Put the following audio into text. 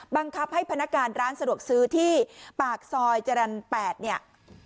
บังคับให้พนักการร้านสะดวกซื้อที่ปากซอยจรรย์๘เนี่ย